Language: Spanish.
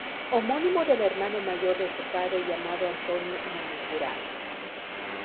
Homónimo del hermano mayor de su padre llamado Antonio Namuncurá.